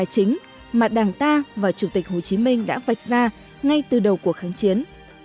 chính mình đã vạch ra ngay từ đầu cuộc kháng chiến